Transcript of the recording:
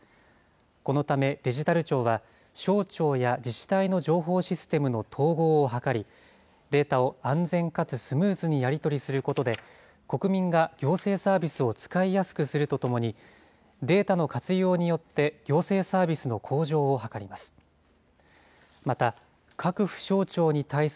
このため、デジタル庁は省庁や自治体の情報システムの統合を図り、データを安全かつスムーズにやり取りすることで、国民が行政サービスを使いやすくするとともに、データの活用によって、行政サービスの向上を図ります。